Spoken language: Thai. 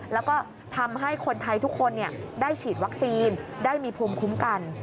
แล้วก็ทำให้คนไทยทุกคนได้ฉีดวัคซีนได้มีภูมิคุ้มกัน